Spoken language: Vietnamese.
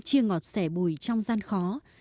chia ngọt sẻ bùi trong gian khó